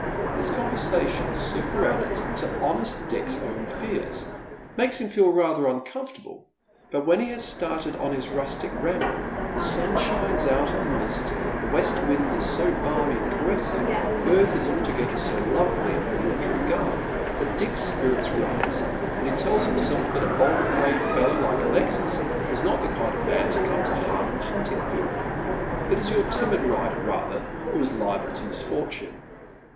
This conversation, superadded to honest Dick's own fears, /lakes him feel rather uncomfortable ; but when he has started on his rustic ramble the sun shines out of the mist, the west fv'ind is so balmy and caressing, earth is altogether so lovely in her wantry garb, that Dick's spirits rise, and he tells himself that a bold brave fellow like Alexis is not the kind of man to come to harm in the hunting field. It is your timid rider rather who is liable to misfortune.